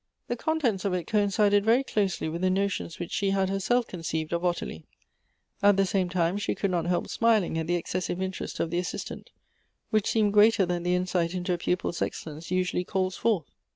The con tents of it coincided very closely with the notions which she had herself conceived of Ottilie. At the same time, she could not help smiling at the excessive interest of the assistant, which seemed greater than the insight into a pupil's excellence usually calls forth.